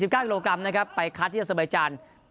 ๔๙กิโลกรัมไปคลาสที่สมบัติฐาน